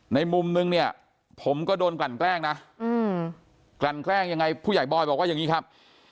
ในมุมนึงเนี่ยผมก็โดนกลั่นแกล้งนะกลั่นแกล้งยังไงผู้ใหญ่บอยบอกว่าอย่างนี้ครับ